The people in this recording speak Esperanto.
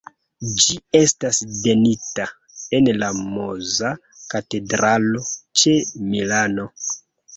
Ĝi estas tenita en la Monza Katedralo, ĉe Milano.